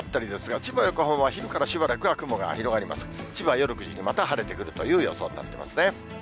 千葉は夜９時にまた晴れてくるという予想になってますね。